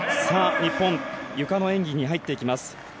日本ゆかの演技に入っていきます。